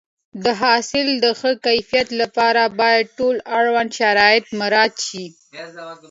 د حاصل د ښه کیفیت لپاره باید ټول اړوند شرایط مراعات شي.